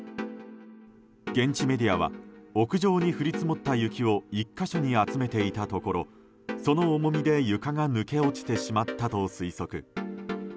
現地メディアは屋上に降り積もった雪を１か所に集めていたところその重みで床が抜け落ちてしまったと推測。